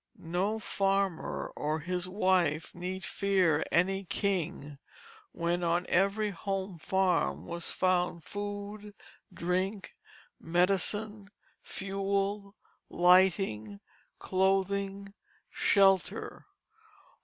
No farmer or his wife need fear any king when on every home farm was found food, drink, medicine, fuel, lighting, clothing, shelter.